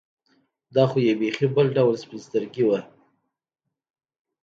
دا خو یې بېخي بل ډول سپین سترګي وه.